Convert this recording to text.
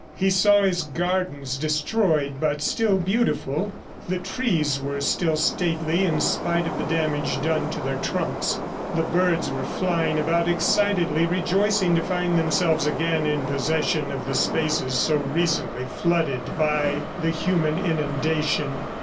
He saw his gardens destroyed, but still beautiful. The trees were still stately in spite of the damage done to their trunks. The birds were flying about excitedly, rejoicing to find themselves again in possession of the spaces so recently flooded by the human inundation.